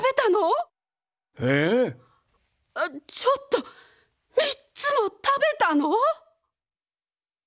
ちょっと３つも食べたの！？